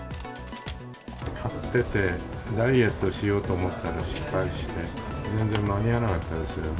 買ってて、ダイエットしようと思ったら失敗して、全然間に合わなかったですよ。